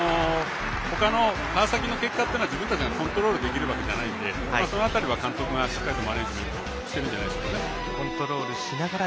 ほかの川崎の結果というのは自分たちでコントロールできるわけじゃないんでその辺りは監督がマネージメントしてるんじゃないでしょうかね。